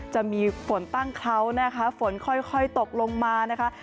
จะมีฝนตั้งเคราะห์นะคะฝนค่อยตกลงมานะคะ